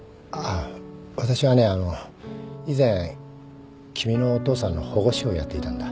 あの以前君のお父さんの保護司をやっていたんだ